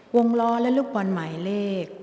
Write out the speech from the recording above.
วงล้อและลูกบอลหมายเลข